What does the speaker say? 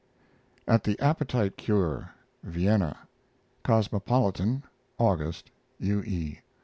AT THE APPETITE CURE (Vienna) Cosmopolitan, August. U. E.